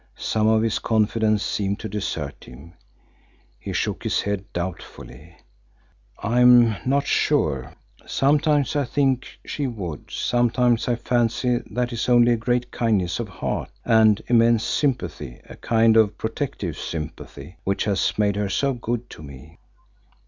Some of his confidence seemed to desert him. He shook his head doubtfully. "I am not sure. Sometimes I think that she would. Sometimes I fancy that it is only a great kindness of heart, an immense sympathy, a kind of protective sympathy, which has made her so good to me."